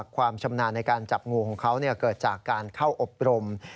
ความชำนาญในการจับงูของเขาเกิดจากการเข้าอบรม